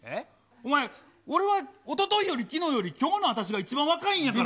お前、おとといよりきのうよりきょうの私が一番若いんやから。